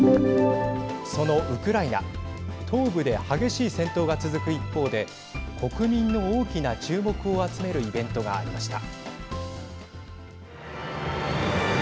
そのウクライナ東部で激しい戦闘が続く一方で国民の大きな注目を集めるイベントがありました。